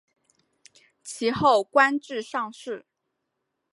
其后官至上士。